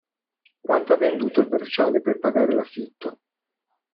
Quanto ha venduto il bracciale per pagare l‘affitto?